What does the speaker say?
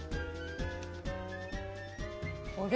あれ？